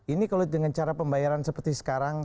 ini kalau dengan cara pembayaran seperti sekarang